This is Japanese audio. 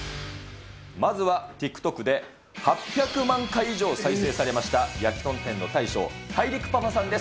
まずはＴｉｋＴｏｋで８００万回以上再生されました、やきとん店の大将、大陸パパさんです。